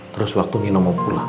terus waktu minum mau pulang